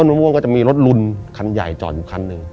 มะม่วงก็จะมีรถลุนคันใหญ่จอดอยู่คันหนึ่ง